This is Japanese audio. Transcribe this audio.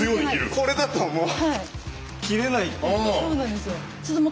これだともう切れないっていう。